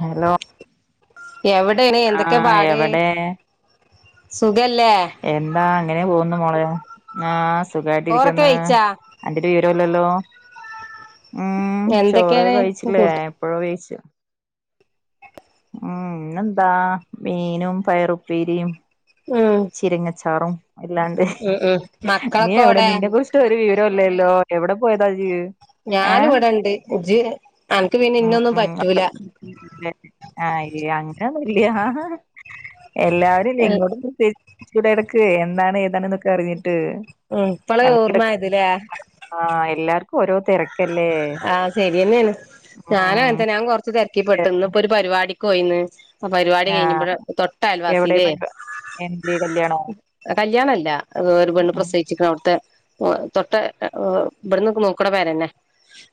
Hello. എവിടെന് എന്തൊക്കെ ആഹ് പാട് എവിടെ സുഖല്ലേ എന്താ അങ്ങനെ പോകുന്നു മോളെ ആ ചോറൊക്കെ സുഖായിട്ടിരിക്കുന്ന് വെയിച്ചാ അന്റെരു വിവരുല്ലല്ലോ ഉം ചോറ് എന്തൊക്കെയാണ് കഴിച്ചില്ലേ കൂട്ട എപ്പഴോ കഴിച്ച ഉം ന്ന് ന്താ മീനും പയറുപ്പേരിയും ഉം ചിരിങ്ങച്ചാറും ഇല്ലാണ്ട് ഉം ഉം നീ മക്കളൊക്കെ എവിടെ നിന്നെ കുറിച്ച ഒരു വിവരം ല്ലല്ലോ എവിടെ പോയതാജീ ഏ ഞാനിവിടെണ്ട് ഇജ് അനക്ക് പിന്നെ മം ഇന്നൊന്നും മം അപ്പ. പറ്റൂല ആഹ അങ്ങനെയൊന്നുമില്ല എല്ലാവരും ഇങ്ങോട്ട ച്ചൂടെ ഇടക്ക് എന്താണ് ഏതാണെന്നൊക്കെ അറിഞ്ഞിട്ട് ഉം ഇപ്പളെ [unintelligible] ഓർമ്മായതില്ലേ ആ എല്ലർക്കും ആഹ ശരിയന്നെയാണ് ഞാന ഉം വേ ഞാൻ കൊറച്ച് തിരക്കിപ്പെട്ടു ഇന്നപ്പോ പരിപാടിക്ക് പോയിന്ന് ആ പരിപാടി ആഹ് കഴിഞ്ഞ്പഴ തൊട്ട എവിടെ അൽവാസില്ലേ പരിപാ എന്തേ കല്യാണോ കല്യാണല്ല ഒരു പെണ്ണ് ഉം പ്രസവിച്ചിക്കണ അവിടുത്തെ തൊട്ട വ്ട്‌ന്നൊക്കെ നോക്ക്ണ പെരന്നെ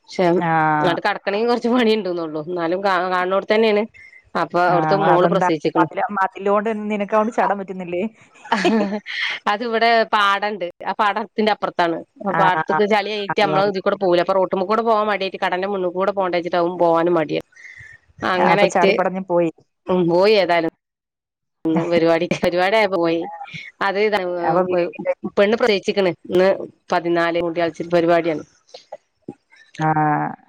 പക്ഷെ ആഹ് എന്നങ്ങിട്ട് കടക്കണമെങ്കിൽ കുറച്ച് പണി ഉണ്ടോന്നള്ളൂ എന്നാലും കാണുന്നിടത്ത് തന്നെയാണ് അപ്പൊ അവിടുത്തെ ആഹ് മോള് അതെന്താ പ്രസവിച്ചിക്കണം ടൻ പറ്റുന്നില്ലേ അതിവിടെ പാടംണ്ട് ആ പാടത്തിന്റെ അപ്പുറത്ത് അതാണ് ആഹ് ആഹ് പാട്ത്ത്ക്ക് ചളി ആയിട്ട് നമ്മള് അതുകൊണ്ട് ഇതികൂടെ പോവുലേ അപ്പൊ റോട്ട്. കൂടെ പോവാൻ മടിയട്ട് കടന്റെ മുന്നൂ കൂടെ പോണ്ടേച്ചിട്ട് പോവാനും മടിയ. അപ്പൊ അങ്ങനൊയിട്ട് ചാടിപ്പടഞ്ഞ് പോയി ഉ പോയി ഏതാലും ഒന്ന് പരിപാടി പരിപാടി ആയപ്പോ പോയി അത് ത അപ്പൊ വീട്ടില് പെണ്ണ് പ്രവസവിച്ച്ക്ക്ണ്. ഇ പതിനാല് കൂടി മുടിയാൽച്ചിൽ പരിപാടിയാണ് ആഹ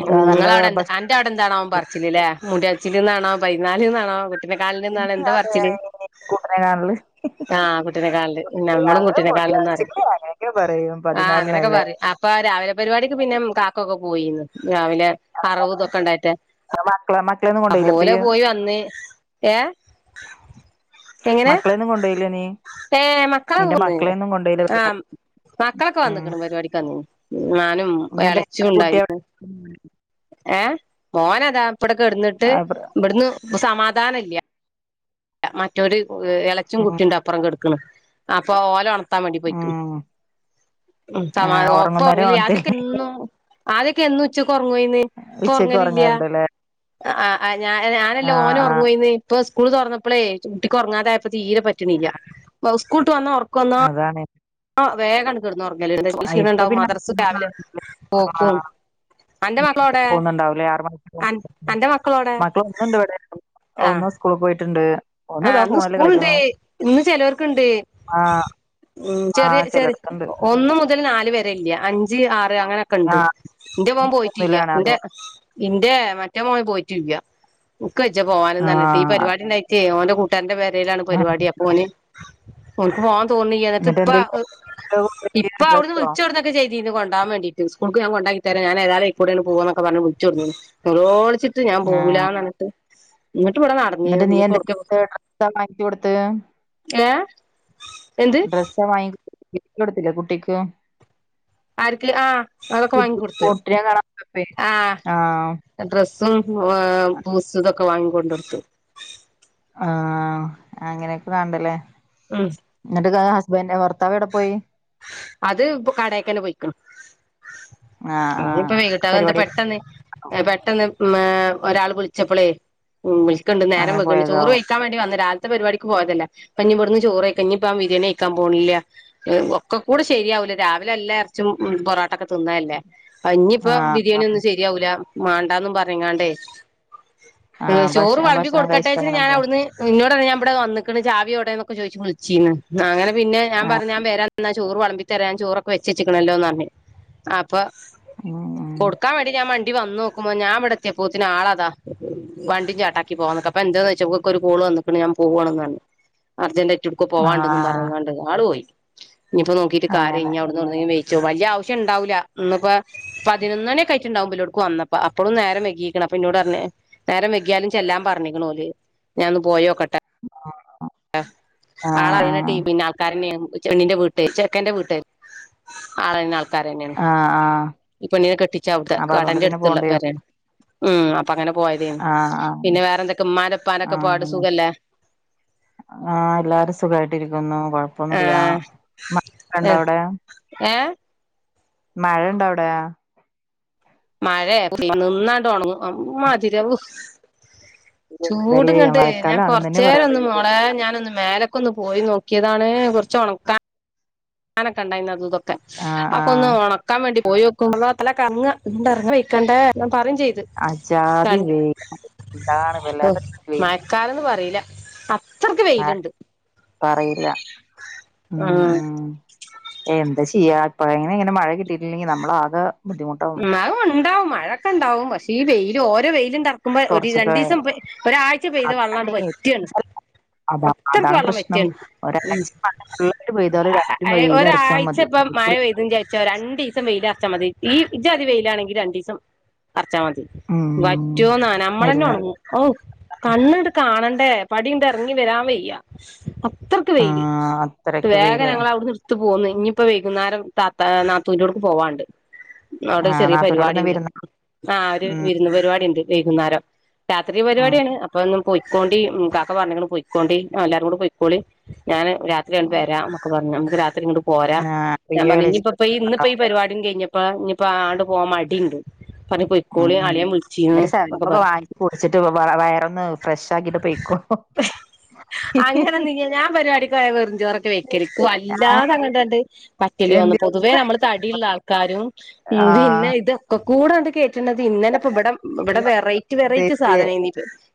നിങ്ങളവിടെ എന്ത ആന്റെ അവിടെ എന്താണോൻ പറിച്ചില്ലല്ലേ മുയാച്ചിലന്നാണോ പൈതിനാലല്ന്നാണോ കുട്ടെക്കാലിൽ നിന്നാണ് തന്നെയാ എന്താ പറച്ചില് കൂട്ടനെ കാണല് ആ കുട്ടിനെക്കാലില്ന്ന നമ്മളും ഞങ്ങള് കുട്ടെക്ക മുടിയാച്ചിക്ക് അങ്ങനെയൊക്കെ പറയും ആ് അങ്ങനെയൊക്കെ പതിനാലിനല്ലേ പറയും അപ്പ രാവിലെ പരിപാടിക്ക് പിന്ന കാക്കക്കെ പോയിന്ന് രാവിലെ അറവ്തൊക്കെ ണ്ടായിട്ട്. മക്കളെ മക്കളെയൊന്നും അഹ് കൊണ്ടോയില്ല ഓലെ അപ്പയ്യ് പോയി വന്ന് ഏ. മക്കളെന്നും കൊണ്ടോയിലെ നീ? ഏ മക്കളെ നിന്റെ പോന്ന് മക്കളെന്നും കൊണ്ടുപോയില്ലെ ആ മക്കളൊക്കെ വന്നക്കണ പരിപാടിക്കന്നീ ഞാനും എന്നിട്ട് ഇളച്ചും കുട്ടി ഇണ്ടായിന്ന് ഉം ഏഹ മോനതാ പ്പവിടൊക്കെടന്നിട്ട് ബ്ട്ന്ന് സമാധാനല്ല. മറ്റൊര് എളെച്ചിം കുട്ടീംണ്ട്‌ അപൊറം കെടക്ക്ണ് അപ്പൊ ഓലോണത്ത ട്ടാന് വേണ്ടി പോയിക്ക്ണ് ഉം ഉം ആ സമാ ഒപ്പം ഉറങ്ങുന്നവരെ ഒറങ്ങെല്ല ഉണർത്തി ആദ്യൊക്കെ എന്നും ആദ്യൊക്കെ എന്നും ഉച്ചക്ക് ഒറങ്ങുവായിന്ന് ഇപ്പോ ഉച്ചക്ക് ഒറങ്ങലില്ല ഉറങ്ങാറുണ്ടല്ലേ അ ആ ഞാ ഞാനല്ല ആ ഓന് ഒ ആ റങ്ങുവോയിന്ന് ഇപ്പൊ സ്കൂള് തൊറ ന്നപ്പോളേ കുട്ടിക്ക് ഉറങ്ങാതായ പ്പൊ തീരെ പറ്റ്ണിയ്യ സ്കൂള്ട്ട് വന്നാ ഉറക്കന്നാ അതാണ് ആഹ് വേഗാണ് കിടന്ന് ഉറങ്ങല്ലോ എച്ചൽ ക്ഷീണ ഇപ്പൊ ഉണ്ടാവും പിന്നെ മദ്രസ രാവിലെ പോക്കും അന്റെ മക്കളോടെ പോന്നുണ്ടാവുല്ലേ അൻ [unintelligible] അന്റെ മക്കളോടെ മക്കള് ഒന്ന് ഇണ്ട് ഇവിടെ ആ ന്ന് സ്കൂളി പോയിട്ട്ണ്ട്. ആ ന്ന് സ്കൂള്ണ്ട് ഇന്ന് ചിലോർക്ക്ണ്ട് ആ ആ ചെറിയൊരു ചെറി ചിലടത്തുണ്ട് ഒന്ന് മുതൽ നാല് വരെല്ല്യാ അഞ്ച് ആറ് അങ്ങനെയൊക്കെ ആ ഇണ്ട് ഇന്റെ മോൻ പോയിട്ടില്ല ഒന്നിലാണ് അതുകൊണ്ട് ഇൻ്റെ മറ്റേ മോൻ പോയിട്ടുംല്ല ഉക്കെജ്ജാ പോവാനും ആ ന്നറഞ്ഞിട്ട് ഈ പരിപാടി ണ്ടായിട്ടേ ഓന്റെ കൂട്ടാരന്റെ പേര് യിലാണ് പരിപാടി അപ്പൊ ഓന് ഓന്ക്ക് പോവാൻ തോന്നി എന്നിട്ട് ഇപ്പ ഇപ്പ അവിടുന്ന് ഡ്രസ്സോ വിളിച്ചിടൊക്കെ ചെയ്തിനി കൊണ്ടോവാൻ വേണ്ടീട്ട് സ്കൂൾക്ക് കൊണ്ട രാം ഞാൻ ഏതാലും ഇക്കൂടെയാണ് പോവാന്നൊക്കെ പറഞ്ഞ് വിളിച്ചു കൊടു [unintelligible] ഞാൻ ആ പോവൂലാന്നറഞ്ഞിട്ട് ഇങ്ങിട്ട് ഇവിടെ നടന്ന എന്നിട്ട് നീ എന്ത ഡ്രസ്സാ വാങ്ങിച്ച് കൊടുത്ത് ഏ എന്ത് ഡ്രസ്സാ വാങ്ങി കൊടുത്തില്ല കുട്ടിക്ക് ആരിക്ക് ആഹ അതൊക്കെ വാങ്ങിക്കൊടുത്ത പൊട്ടിനെ കാണാൻ പോയപ്പേ ആഹ ആഹ് ഡ്ര സും പൂസും ഇതൊക്കെ വാങ്ങിക്കൊണ്ടിടുത്തു ആ അങ്ങനെയൊക്കെ വേണ്ടല്ലേ ഉം എന്നിട്ട്ക്ക ഹസ്ബന്റെ പുറത് ത്താവ് എവിടെ പോയി? അത് ഇപ്പൊ കടക്കന്നെ പോയിക്ക്ണ് ആഹ് ഇപ്പ ആഹ് വൈകിട്ട ഒക്കെ അതെന്ത പരിപാടി പെട്ടെന്ന് പെട്ടെന്ന് ഒരാൾ വിളിച്ചപ്പളേ വി ട്ക്ക്ണ്ട് നേരം അങ്ങനെ വെഖ്‌ണ്ട് ചോറ് പോയതാവും വെയ്ച്ചാ വേണ്ടി വന്ന് രാ പരിപാടിക്ക് പോയതല്ലെഇനി ഇവിടുന്ന് ചോറായ്ക്കാ. ഞ്ഞിപ്പ വിരേണി യ് ക്കാൻ പോണില്ല എം ഒക്കെ ഒക്കെ കൂടെ ശരിയാവൂല രാവിലെല്ല ഇറച്ചും പൊറട്ടൊക്കെ തിന്നല്ലേ ഇനിയിപ്പ ആഹ് ബിരിയാണി ആഹ് ഒന്നും ശരിയാവൂല മാണ്ടന്നും പറഞ്ഞങ്ങാണ്ടേ ഉം ആഹ് ഭക്ഷ ചോറ് വളമ്പി ഭക്ഷണം കഴിച്ചിട്ട് കൊടുക്കട്ടേച്ച്ട്ട് അങ്ങനെ ഞാൻ പോ അവിട്ന്ന് ഇന്നോ ഇവിടെ വന്നിക്ക്ണ് ചാവിടെന്നക്കെ ചോയ്ച്ച് വിളിച്ചീന്ന് അങ്ങെ പിന്നെ ഞാ ആഹ് പറഞ്ഞ വ ചോറ് വെളമ്പി തരാം ചോറൊക്കെ വെച്ച്ച്ചേക്കണല്ലോന്ന് പറഞ്ഞ് ആ ഇപ്പൊ ഉം ഉം കൊടുക്കാൻ വേണ്ടി ഞാൻ മ ണ്ടി വന്നോക്കുമ്പോ ഞാമ്പടെ എത്തിയെപോത്തിന് ആളാതാ. വണ്ടി ചാട്ടാക്കി പോകാന്ന്ക്ക അപ്പൊ എന്തോന്ന് ചോയ്ച്ചപ്പ ഇവക്കൊരു കോള് വന്ന്ക്ക്ണ് ഞാൻ പോവാണ്ന്ന് പറഞ്ഞു അർജ ടുക്കോ പോവാണ്ട്‌ന്നും ആഹ് പറഞ്ങ്ങാണ്ട്‌ ആള് പോയി. ഇനിപ്പോ നോക്കീട്ട് കാര്യല്ല അങ്ങനെ ഇഞ്ഞ് അവിട്ന്ന് ഔട്ന്നെങ്കിലും വൈ ചോ. വല്ലിയെ ആവശ്യം ണ്ടാവൂല്ല ന്ന്‌പ്പ പതിനൊന്നണി ഒക്കെ ആയിറ്റ്ണ്ടാവും ഇബലൊടുക്ക് വന്നപ്പോ അപ്പളും നേരം വൈകീക്ക്ണ്. അ പിന്നോട് പറഞ്ഞ നേരം വെക്കിയാലും ചെല്ലാം പറഞ്ഞിക്കണ പോല് ഞാനൻന്ന് പോയോക്കെട്ട ആഹ് അ അ ആഹ് ആള് അങ്ങനെത്തേ ടീം പിന്നെ ആൾക്കാരെന്നെണ്. ണ്ണിന്റെ വീട്ട് ചെക്കന്റെ വീട്ട് ആളെന്നാ കരന്നെയാണ് ആഹ് ആഹ് ഈ പണ്ണീനെ കെട്ടിച്ചത അപ്പൊ അതുകൊണ്ട് പിന്നെ കടന്റെടുത്തുള്ള പോണ്ടി വരും പെരയാണ് ഉം അപ്പ അങ്ങനെ പോയതേനി ആഹ് ആഹ് പിന്നെ വേറെ എന്തൊക്കെ ഉമ്മാൻ്റെ പ്പാൻ്റൊക്കെ പാട് സുഖല്ലേ ആ എല്ലാരും സുഖായിട്ടിരിക്കുന്നു കൊഴപ്പൊന്നുല്ല മഴ എ ഉണ്ടോ അവിടെ ഏ മഴ ഇണ്ടോ അവിടെ മഴയ പി നിന്നായിട്ട് ഉണങ്ങും അ് മതിരവു ഇതല്ലേ ചൂട്ങ്ങട്ടെ ഞാൻ മഴക്കാലാണെന്ന് തന്നെ പറയാൻ കൊറച്ചേരോന്ന് മോളെ പറ്റില്ല ഞാനൊന്ന് മേലക്ക്‌ ക്കൊന്ന് പോയി നോക്കിയതാണ് കുറച്ച് ഉണക്കാനൊക്കെ ഇണ്ടായിനി തുതൊക്കെ ആഹ് ആക്കൊ ഒന്ന് ആഹ് ഒണക്കാൻ വേണ്ടി പോയി വെക്കുമ്പോ അെ ഇറ ഇറ വക്കണ്ട പറയും ചെയ്ത് അജാതി രണ്ട് വെയില് എന്താണ് വല്ലാത്ത മയക്കാലന്ന് പറയില്ല അപ്പ ആ പറയില്ല ഉം ആഹ് ഉം. എന്താ ചെയ്യാ, ഇപ്പഴന്നെ ഇങ്ങനെ മഴ കിട്ടീട്ടില്ലെങ്കി നമ്മളാകെ ബുദ്ധിമുട്ടാകും. ണ്ടാവും മഴൊക്കെ ണ്ടാവും പഷെ ഈ വെയില ഓരോ വെയില്. അറക്കുമ്പോ ഒരു കൊറച്ചൊക്കെ രണ്ടീസം ഒരാഴ്ച പെയ്ത വെള്ളാണ്ട് അതാണേ വറ്റാണ്. അതാ അത്രയ്ക്ക് അതാണ് വെള്ളം വറ്റിയ പ്രശ്നം ഒരാഴ്ച മഴ ഫുള്ളായിട്ട് പെയ്താല് ഒരാഴ്ച വെയിലറച്ചാ മതി ഒരാഴ്ചപ്പ ഇപ്പം മഴ പെയ്തെന്ന്ചാരിച്ചോ രണ്ടു ദിവസം വെയിലൽ അറച്ചാൽ മതി ഈ ഇജാതി വെയിലാണെങ്കി രണ്ടീസം അർച്ചാ മതി ഉം വറ്റോന്നാ നമ്മളന്നെ ഇല്ല ഒണങ്ങും ഓ കണ്ണിട്ട് കാണാ ണ്ടേ പടീണ്ട് ഇറങ്ങി വരാൻ വയ്യ അത്രയ്ക്ക് വെയില് ആഹ് അത്രക്ക് വേഗം വെയില് ഞങ്ങൾ അവിടെന്ന് ഇട്ത്ത് പോന്ന് ഇനിയിപ്പോ വൈകുന്നേരം താത്ത നാത്തൂ ൻ്റോട്ക്ക് പോവാണ്ട് അവിടെ ആഹ് ചെറിയ പരിപാടി നാത്തൂന്റോടെന്ന് ഉണ്ട് വിരുന്ന് ആ ഒരു ഉം വിരുന്ന് പരിപാടി ഉണ്ട് വൈകുന്നേരം രാത്രി ഉം പരിവാടിയാണ് അപ്പൊന്നും പോയി. പൊക്കോണ്ടി കാക്ക പറഞ്ഞ് നിങ്ങള് പൊക്കോണ്ടി എല്ലാരൂടി പൊയിക്കോളി ഞാന് രാത്രിയാണ്ട് ആഹ് വരാം ന്നൊക്കെ പറഞ്ഞ് നമ്മുക്ക് രാ ത്രി ങ്ങട്ട് പോരാ ഞാൻ പറഞ്ഞ് ഇനിപ്പപ്പോ ഇന്ന് പ്പ ഈ പരിപടിയും കഴിഞ്ഞ് ഇപ്പ ഇനിപ്പാണ്ട് പോവാൻ മടിണ്ട്. ഉം ഉം ഇവര് ഒക്കെ പറഞ്ഞു സവനപ്പൊക്കെ വാങ്ങി കുടിച്ചിട്ട് വ വ വയറൊന്ന് ഫു ഫ്രഷാക്കിട്ട് പോയ്‌ക്കോ. അങ്ങനെന്നൂല്ലാ ഞാൻ പരിവാടിക്ക് പോയ വെറൂഞ്ചോറെക്കേ വെയ്‌ക്കല് ക്ക് ആ വല്ലതങ്ങണ്ടട് പ റ്റലി വന്ന് എന്ത് പൊതുവേ നമ്മൾ തടിയുള്ള ആൾക്കാരും ഉം പിന്നെ ആഹ് ഇതൊക്കെ കൂടണ്ട് കേറ്റ്ണത് ഇന്നലെ ഇപ്പ ഇവിടെ ഇവിടെ വെറൈറ്റി വെറൈറ്റി എക്സസൈസ് സാധനം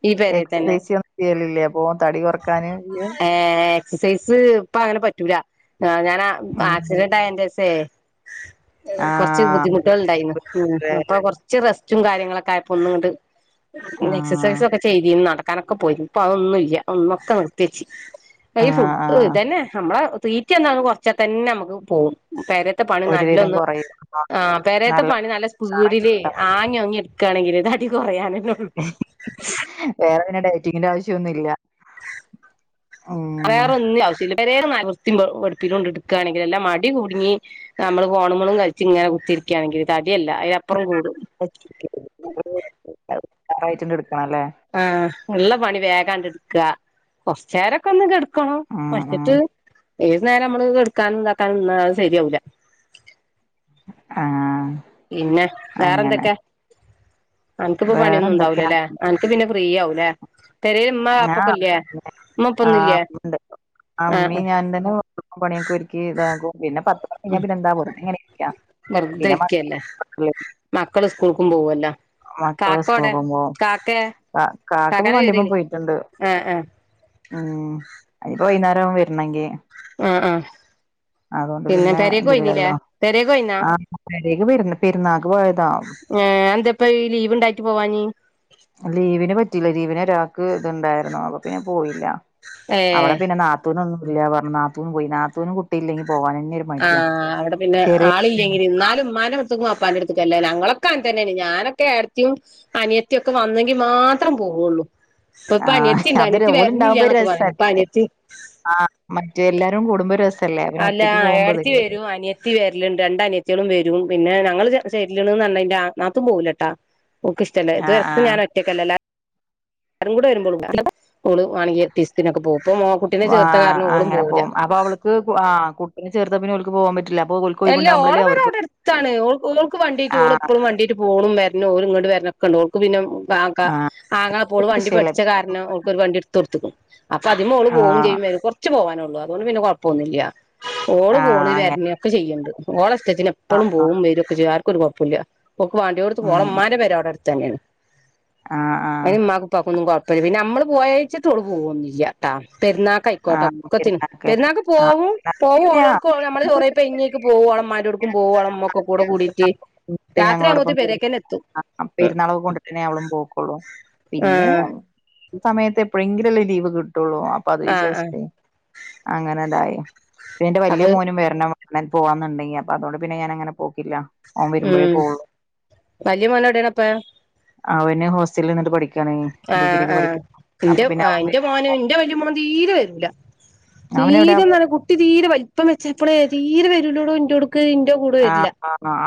ഈ പെരേ എക്സസൈസ് ഒന്നും ചെയ്യലില്ലേ അപ്പൊ തടി കൊറക്കാന് ഇയ്യ് ഏ എക്സസൈസ് ഇപ്പ അങ്ങനെ പ പറ്റൂല ഞാനാ ഉം ആക്സിഡന്റായ ശേഷേ കുറച്ച് ആഹ് ബുദ്ധിമുട്ടുകൾ ഇണ്ടായിരുന്നു അപ്പൊ കൊറച്ച് റ സ്റ്റും കാര്യങ്ങളൊക്കെ ആയപ്പോ ഒന്നു ങ്ങട്ട് ആഹ് എക്സസൈസും ഒക്കെ ചെയ്തിനി നടക്കാ നൊക്കെ പോയിന് ഇപ്പൊ അതൊന്നും ഇല്ല ഒന്നൊക്കെ നിർത്തി വെച്ച് ഈ ആഹ് ഫുഡ് ആഹ് ഇതന്നെ നമ്മളെ തീറ്റ എന്നാന്ന് കൊറച്ച തന്നെ നമുക്ക് പോകും പെരേത്തെ പണി ഒരുവിധം നല്ലൊന്ന് കൊറയും ആ പെരേത്തെ പണി നല്ല ഉഷാറായി സ്പീഡിലെ കൊടുത്താ മതി ആങ്ങി ആങ്ങി ക്കണെങ്കില് തടി കൊറയാന ന്നൊള്ളൂ വേറെ പിന്നെ ഡയറ്റിങ്ങ്ന്റെ ആവശ്യന്നുല്ല. വേറെന്നും ആവശ്യല്ല പെരേന്ന വൃത്തി വെടുപ്പ കൊണ്ടെടുക്കാണെങ്കി എല്ലാം മടി കുടുങ്ങി നമ്മള് ഫോണുകളും കളിച്ചിങ്ങനെ കുത്തി ക്കാണെങ്കിൽ തടിയല്ല അയിലപ്പുറം കൂടും. ആയറായിട്ടു ആ ഇള്ള പണി വേഗാണ്ട് എടുക്ക കൊറച്ച് നേരൊക്കൊന്ന് കെട ക്കണോ ഉം ഉം പഴുത്ത്ട്ട് ഏത് നേരം നമ്മള് എടുക്കാനും ഇതാക്കാനന്നുംശരിയാവില്ല ആ പിന്നെ വേറെന്തൊക്കെ അനക്ക്പ്പം പണിയൊന്നും വേറെന്തൊക്കെയാ ഉണ്ടാവില്ലല്ലെ അനക്ക് പിന്നെ ഫ്രീ ആവൂല്ലേ? പെരേല് ഇമ്മ വാപ്പക്കെ ആഹ് ഇല്ലേ ഉമ്മപ്പൊന്നുംല്ലേ ഇമ്മിം ഞാൻ തന്നെ പണിയൊക്കെ ഒരുക്കി ഇതാകുംപിന്നെ പത്ത് മണികഴിഞ്ഞാ പിന്നെന്താ വെറ്തെ വെറതെക്കല്ലേ മക്കള് സ്കൂൾക്കും പോവല്ലോ മക്കള് സ്കൂൾ കാക്കോടെ പോകുമ്പോ കാക്കേ കാ കാക്കപ്പോ കാക്കാന്റെ വണ്ടിമ്മേ പോയിട്ടുണ്ട് [unintelligible] ആ ആ ഉം അതിപ്പോ വൈകുന്നേരാവും വരണെങ്കിൽ ആ ആ അതുകൊണ്ട് പിന്നെ ഇതില്ലല്ലോ പെരേക്ക് പോയിന്നാ ആ പെരേക്ക് പെരുന്നാക്ക് പോയതാ ഏ എന്താപ്പം ഈ ലീവ് ണ്ടായിട്ട് പോവാഞ്ഞിയെ ലീവിന് പറ്റിയില്ല ലീവിന് ഒരാൾക്ക് ഇത്ണ്ടായിരുന്നു അപ്പ പിന്നെ പോയില്ല അവിടെ ഏഹ് പിന്നെ നാത്തൂനൊന്നും ഇല്ല പറഞ്ഞ നാത്തൂൻ പോയി നാത്തൂനും കുട്ടിയില്ലെങ്കി പോവാനന്നെ ഒരു ആ മടിയാ അവിടെ പിന്നെ ചെറിയ ആളില്ലെങ്കിൽ ഇന്നാലും ഉമ്മാനെ വാപ്പന്റെ ട്ത്തുക്കല്ലേ ഞങ്ങളൊക്കെ അങ്ങനെ തന്നെയാണ് ഞാനൊക്കെ ഏടത്തിയും അനിയത്തിയു ഒക്കെ വന്നെങ്കിൽ മാത്രം പോവുള്ളൂ ഇപ്പൊ ആഹ് അനിയെത്തിണ്ട് അതൊരു അനിയത്തി ഓലുണ്ടാവുമ്പോ ഒരു വരുന്നില്ലന്നൊക്കെ രസാ പറഞ്ഞു പ്പ നിയെത്തി ആഹ് മറ്റേ എല്ലാരും കൂടുമ്പോ രസ അല്ല ഏടത്തി വരും അനിയത്തി വരലുണ്ട് രണ്ട് അനിയത്തികളും വരും പിന്നെ ഞങ്ങൾ [unintelligible] നാത്തൂൻ പോവൂലട്ടാ ഓക്ക് ഇഷ്ടല്ല ഇത് ആഹ് ഒക്കെ ആഹ് ഞാൻ ഒറ്റക്കല്ല [unintelligible] ഓൾ മാണെങ്കി എട്ടി സ്ത്തനക്കെ പോവും ആഅങ്ങനെ പോകും അപ്പൊ അവൾക്ക് ആ കുട്ടിനെ ചേർത്താൻ പിന്നെ ഓല്ക്ക് പോകാൻ പ അല്ല ഓളെ പേര അവിടെട്ത്താണ് ഓൾക്ക് വണ്ടീ ആയിട്ട് ഓൾ ആഹ് എപ്പളും വണ്ടീ ആയിട്ട് പോണും വര്നും ഓല് ഇങ്ങട്ട് വര്നൊക്കൊണ്ട് പിന്നെ കാക്ക ആഹ് ആങ്ങള പ്പോള് വണ്ടി വിഷയല്ല പടിച്ച കാരണം ഓക്കൊരു വണ്ടി ഇടുത്ത് കൊട്ത്ത്ക്കണ് അപ്പൊ അതി മോള് ആഹ് ചെയ്യും വരും കൊർച് പോവാനൊള്ളു അതൊണ്ട് പിന്നെ കൊഴപ്പൊന്നുല്ല്യ ഓള് ആഹ് പോണ് അങ്ങനെ വെര്ണെ ഒക്കെ ചെയ്യണ്ട് ഓളത്തിന് ഇഷ്ടത്തിന് ആഹ് എപ്പളും ആഹ് പോകും വരുംഒക്കെ ചെയ്യും ആർക്കും ഒരു കൊഴപ്പല്ല ഓക്ക് മാണ്ടിയോട്ത്ത് പോവാ ഉം ഓളെ മ്മാന്റെ പെര അവിടെ അടുത്ത് തന്നെയാണ് ആഹ് ആഹ് അതിന് മ്മാക്കുംപ്പാക്കും ഒന്നും കൊഴ പിന്നെ നമ്മള് പോയച്ചട്ടോ ഓള്പോവന്നില്ലട്ടാ പെരുന്നാക്ക് ആയിക്കോട്ടോ ആഹ് ഒക്കത്തിന് പെരുന്നാക്കല്ലേ പെരുന്നാക്ക് ആഹ് പോവും പോവും ഓളോടുക്ക് നമ്മൾ പെരുന്നാക്ക് ചോറ ങ്ങേക്ക് പോവേളം മരോടുക്കും പോവോള ഒക്കെ കൂടെ കൂടിയിട്ട് എന്നിട്ട് രാത്രി ആകുമ്പോത്തി ഞങ്ങളോടൊപ്പം പെരു പെരെക്കേറി പെരുന്നാളൊക്കെ കൊണ്ടിട്ടെ നമ്മളും പോക്കൊള്ളൂ പിന്നെ ആഹ് ഈ സമയത്ത് എപ്പോഴെങ്കിലല്ല ലീവ് കിട്ടുള്ളൂ അപ്പൊ അത് ആഹ് വിചാരിച്ച് ആഹ് ട്ടേ അങ്ങനാടായി പിയെന്റെ വല്യ അപ്പൊ മോനും വരണം [inaudible] പോവാന്നുണ്ടെങ്കി അപ്പൊ അതുകൊണ്ട് പിന്നെ ഞാൻ അങ്ങനെ പോക്കില്ല. ഓൻ വരുമ്പോഴേ ഉം പോവുള്ളൂ വലിയ മോനെ എവിടെയാണിപ്പ അവന് ഹോസ്റ്റൽല് നിന്ന് ട്ട് പഠി ക്കാണെ ആഹ് ഡിഗ്രിക്ക് ആഹ് പഠിക്ക് അപ്പൊ ഇന്റെ പിന്നെ ആഹ് അവൻ ഇന്റെ വരുമ്പോ തീരെം നല്ല കുട്ടി തീരെ വൽപ്പം വെച്ചപ്പളേ തീരെ വരൂലോടോ ഇന്റോ ക്ക്‌ ഇന്റെ കൂടെ ആ വര്ല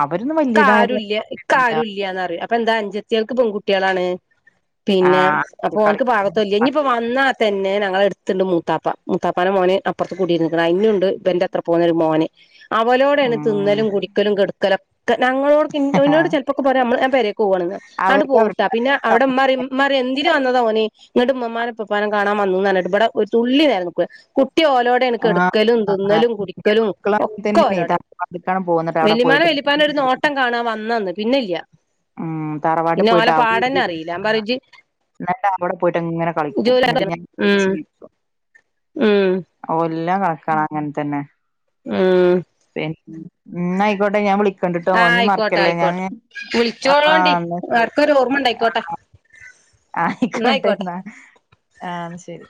അവരൊന്നും വലിയതായ ക്കാരുല്ല്യ ക്കാരുല്ല്യാന്നറിയും അപ്പെന്താ അഞ്ചത്ത്യാക്ക് പെകുട്ട്യാളാണ് ആ പിന്നെ അപ്പൊ കളി ഓന്ക്ക് പാഗത്തോല്യ ഇഞ്ഞിയിപ്പ വന്നാ തന്നെ ന ഞങ്ങളെട്ത്ത്ണ്ട് മൂത്താപ്പ മൂത്താപ്പാന്റെ മോന് അപ്പർത്ത് കുടീര്ന്ന്ക്ണ് അയ്‌നുണ്ട് ഇബെന്റെ അത്ര പോന്നോര് മോന് അവലോടെണ് ഉം തിന്നലും കുടിക്കലും കെടക്കലൊക്കെ ഞങ്ങളോട്ക് ഇൻ ഒയ്നോട്‌ ചെല്പ്പൊക്കെ പര്യ അമ്ള് എ പോവണത് ആണ് അവർക്ക് പോവൂട്ട അവരുടെ പിന്നെ അവിടെ മ്മ പറയും ന്തിന് വന്നതാ ഓന് ഇങ്ങട്ട് ഇമ്മാമ്മാനെ ഇപ്പപ്പാനെ കാണാൻ വന്നു ന്ന് പർഞ്ഞിട്ട് ഇവടെ ഒര് തുള്ളി നേരം നിക്കൂല. കു ട്ടി ഓലോടെണ് ആ കെട്ക്കലും ആ തിന്നലും കുടിക്കലും മക്കള ഒക്കെ തന്നെയ ഓലോടെ തറവാട്ടിക്കാണ് പോകുന്നിട്ട് അവിടെ വെല്ലിമ്മാനെ പോയിട്ട് ല്ലിപ്പാനെ ഒരു നോട്ടം കാണാൻ വന്നന്ന് പിന്നെല്ല്യ. ഉം തറവാട്ട് പിന്നെ ഓല പാടന്നെ അറിയില്ല ഞാൻ പറി ഇജ്ജ് ന്നട്ട് അവടെ പോയിട്ട്ങ്ങനെ കളിക്കും എന്നിട്ട് ഇജ്ജ് ഞ് ഉം ജീ ഉം ഓൽ ഇല്ല കാക്ക അങ്ങൻ തന്നെ ഉം ഉ ഇന്നാ അയിക്കോട്ടെ ഞാൻ വിളിക്കണ്ട്ട്ടോ ഇനി മറക്കല്ലേ ഞാന് ചോളോണ്ടി ആഹ് ന്നാ എട്ക്കൊരു ഓർമ്മ ണ്ടായിക്കോട്ടെ ആയിക്കോട്ടെ ന്നാ ആഹ് ശരി